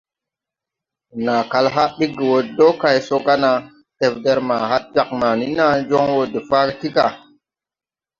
Naa kal haʼ diggi wo do kay so ga na, kefder ma had jāg mani naa joŋ wo de faage ti ga.